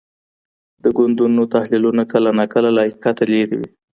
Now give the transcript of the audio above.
د ګوندونو تحلیلونه کله ناکله له حقیقته لرې وي.